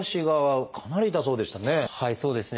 はいそうですね。